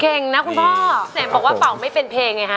เก่งนะคุณพ่อเสมบอกว่าเป่าไม่เป็นเพลงไงฮะ